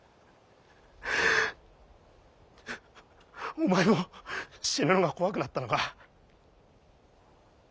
お前も死ぬのが怖くなったのか。